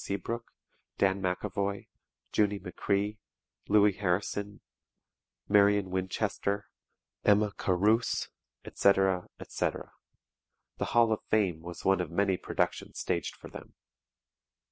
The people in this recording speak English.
Seabrooke, Dan McAvoy, Junie McCree, Louis Harrison, Marion Winchester, Emma Carus, etc., etc. "The Hall of Fame" was one of many productions staged for them.